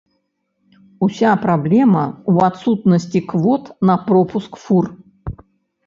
Уся праблема ў адсутнасці квот на пропуск фур.